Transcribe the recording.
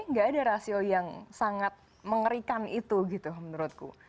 nggak ada rasio yang sangat mengerikan itu gitu menurutku